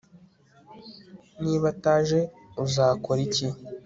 Niba ataje uzakora iki